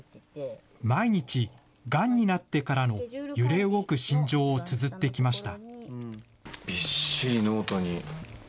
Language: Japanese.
毎日、がんになってからの揺れ動く心情をつづってきました。